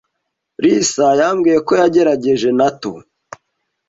Lisa yambwiye ko yagerageje natto.